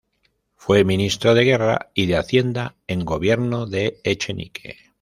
Fue ministro de Guerra y de Hacienda en gobierno de Echenique.